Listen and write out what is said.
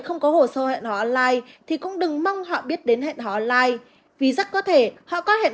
không có hồ sơ hẹn hỏi online thì cũng đừng mong họ biết đến hẹn họ online vì rất có thể họ có hẹn